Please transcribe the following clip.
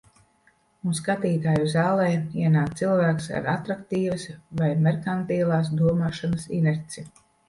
Un skatītāju zālē ienāk cilvēks ar atraktīvas vai merkantilās domāšanas inerci.